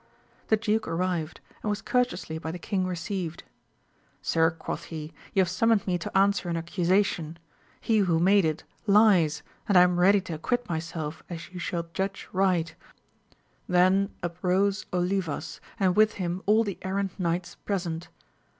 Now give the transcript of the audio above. The duke arrived, and was courteously by the king received. Sir, quoth he, you have summoned me to answer an accusation : he who made it lies, and I am ready to acquit myself as you shall judgft ii^\.. T>asoL \y:^T^ 212 AMADI8 OF GAUL. Olivas, and with him all the errant knights present.